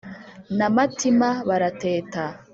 Na Matima barateta